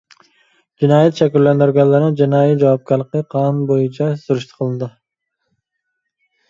جىنايەت شەكىللەندۈرگەنلىرىنىڭ جىنايى جاۋابكارلىقى قانۇن بويىچە سۈرۈشتە قىلىنىدۇ.